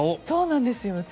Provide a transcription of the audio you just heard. そうなんですよ。